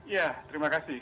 ya terima kasih